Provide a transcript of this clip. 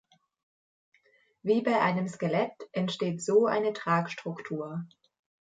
Wie bei einem Skelett entsteht so eine Tragstruktur.